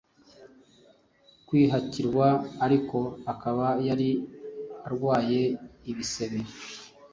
kwihakirwa ariko akaba yari arwaye ibisebe